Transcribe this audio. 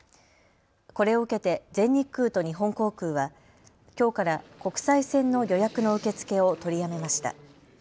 これを受けて全日空と日本航空はきょうから国際線の予約の受け付けを取りやめました。